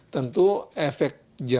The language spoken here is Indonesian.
tentu efek jadinya